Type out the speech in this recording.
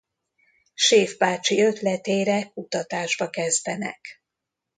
Séf bácsi ötletére kutatásba kezdenek.